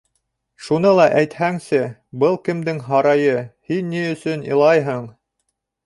Шуны ла әйтһәңсе: был кемдең һарайы, һин ни өсөн илайһың?